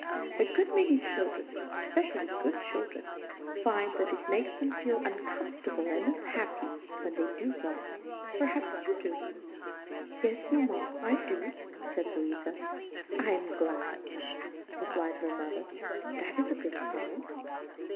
A good many children, especially good children, find that it makes them feel uncomfortable and unhappy when they do wrong. Perhaps you do." "Yes, mamma, I do," said Louisa. "I am glad of that," replied her mother; "that is a good sign."